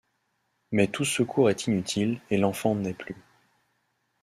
Mais tout secours est inutile, et l'enfant n'est plus.